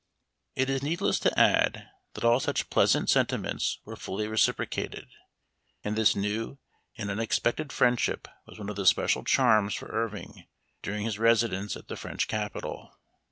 It is need less to add that all such pleasant sentiments were fully reciprocated, and this new and unex pected friendship was one of the special charms for Irving during his residence at the French capital.